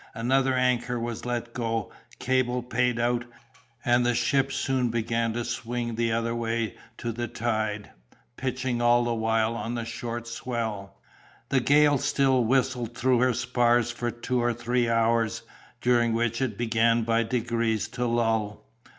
Another anchor was let go, cable paid out, and the ship soon began to swing the other way to the tide, pitching all the while on the short swell. "The gale still whistled through her spars for two or three hours, during which it began by degrees to lull.